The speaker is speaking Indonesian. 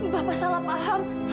bapak salah paham